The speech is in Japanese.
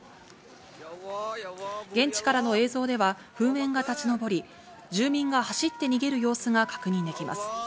現地からの映像では噴煙が立ち上り、住民が走って逃げる様子が確認できます。